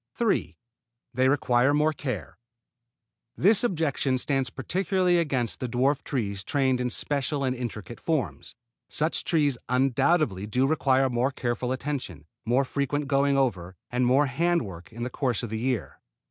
3. They require more care. This objection stands particularly against the dwarf trees trained in special and intricate forms. Such trees undoubtedly do require more careful attention, more frequent going over, and more hand work in the course of the year.